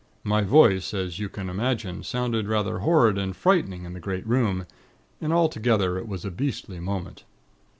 My voice, as you can imagine, sounded rather horrid and frightening in the great room, and altogether it was a beastly moment.